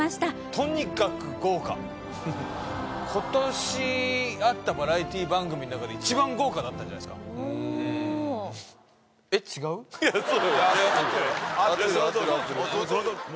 とにかく豪華今年あったバラエティー番組の中で一番豪華だったんじゃないですか合ってるよ合ってるよ